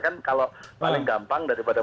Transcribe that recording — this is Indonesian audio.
kalau paling gampang daripada